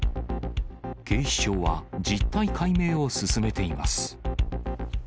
警視庁は実態解明を進めています。